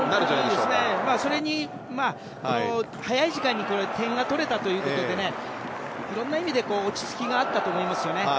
そうですね、それに早い時間に点が取れたというのでいろんな意味で落ち着きがあったと思いますね。